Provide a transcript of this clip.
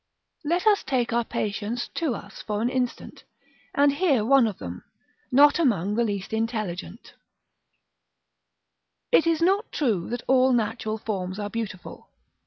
Let us take our patience to us for an instant, and hear one of them, not among the least intelligent: "It is not true that all natural forms are beautiful.